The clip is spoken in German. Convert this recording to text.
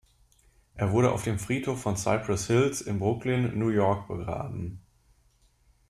Er wurde auf dem Friedhof von Cypress Hills in Brooklyn, New York, begraben.